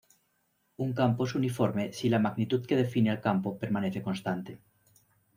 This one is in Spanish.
Un campo es uniforme si la magnitud que define al campo permanece constante.